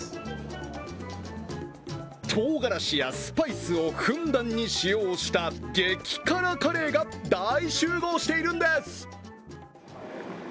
とうがらしやスパイスをふんだんに使用した激辛カレーが大集合しているんです。